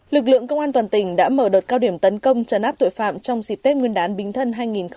lực lượng công an toàn tỉnh đã mở đợt cao điểm tấn công trần áp tội phạm trong dịp tết nguyên đán bình thân hai nghìn một mươi sáu